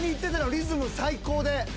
リズム最高で。